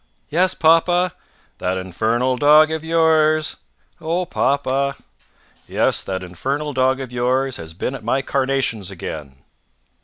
"Yes, papa." "That infernal dog of yours " "Oh, papa!" "Yes, that infernal dog of yours has been at my carnations again!"